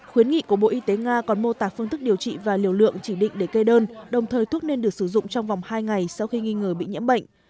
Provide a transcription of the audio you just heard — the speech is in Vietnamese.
khuyến nghị của bộ y tế nga còn mô tả phương thức điều trị và liều lượng chỉ định để cây đơn đồng thời thuốc nên được sử dụng trong vòng hai ngày sau khi nghi ngờ bị nhiễm bệnh